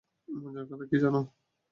মজার কথা কী জানো?